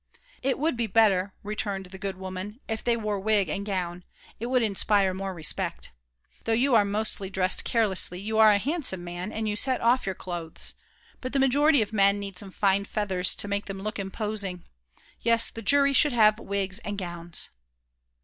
"It would be better," returned the good woman, "if they wore wig and gown; it would inspire more respect. Though you are mostly dressed carelessly, you are a handsome man and you set off your clothes; but the majority of men need some fine feathers to make them look imposing; yes, the jury should have wigs and gowns."